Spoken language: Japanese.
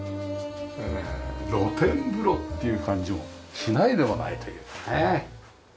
露天風呂っていう感じもしないでもないというかね。